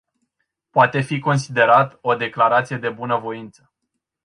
Poate fi considerat o declarație de bunăvoință.